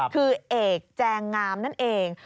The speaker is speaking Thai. คือเอกแจงงามนั่นเอง